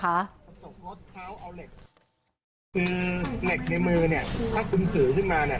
กระจกรถเขาเอาเหล็กคือเหล็กในมือเนี่ยถ้าคุณถือขึ้นมาเนี่ย